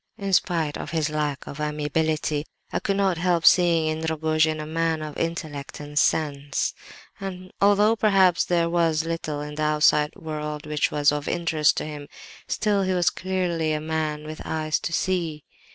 "In spite of his lack of amiability, I could not help seeing, in Rogojin a man of intellect and sense; and although, perhaps, there was little in the outside world which was of interest to him, still he was clearly a man with eyes to see.